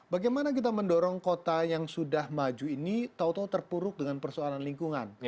bagaimana kita mendorong kota yang sudah maju ini tau tau terpuruk dengan persoalan lingkungan